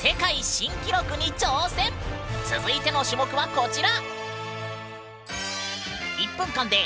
続いての種目はこちら！